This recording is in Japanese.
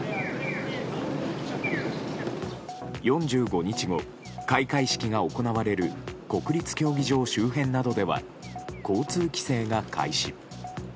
４５日後、開会式が行われる国立競技場周辺などでは交通規制が開始。